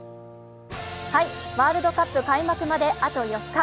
ワールドカップ開幕まであと４日。